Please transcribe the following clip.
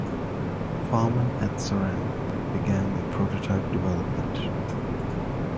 Farman at Suresnes, began their prototype development.